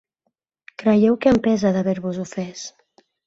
Creieu que em pesa d'haver-vos ofès.